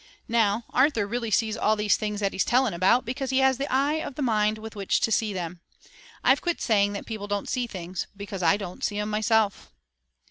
Now, Arthur really sees all these things that he's telling about, because he has the eye of the mind with which to see them. I've quit saying that people don't see things, because I don't see 'em myself."